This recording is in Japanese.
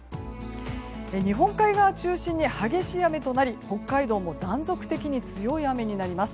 日本海側中心に激しい雨となり北海道も断続的に強い雨になります。